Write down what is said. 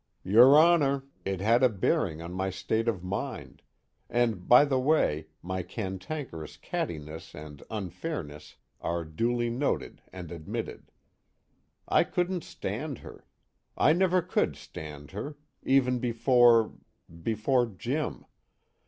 _Your Honor, it had a bearing on my state of mind and by the way, my cantankerous cattiness and unfairness are duly noted and admitted. I couldn't stand her. I never could stand her, even before before Jim.